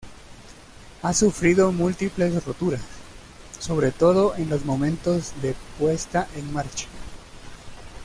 Ha sufrido múltiples roturas, sobre todo en los momentos de puesta en marcha.